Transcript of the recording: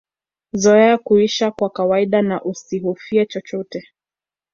Zoea kuisha kwa kawaida na usihofie chochote